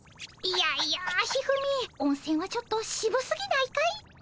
いやいや一二三温泉はちょっとしぶすぎないかい？